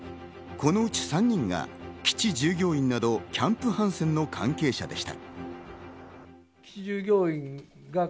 このうち３人は基地従業員などキャンプ・ハンセンの関係者でした。